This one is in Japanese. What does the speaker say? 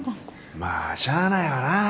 まあしゃあないわな。